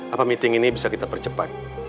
apa meeting ini bisa kita percepat